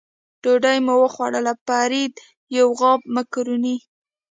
ډوډۍ مو وخوړل، فرید یو غاب مکروني.